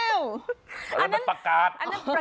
อันนั้นอันนั้นประกาศ